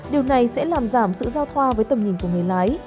điều này sẽ làm giảm sự giao thoa với tầm nhìn của người lái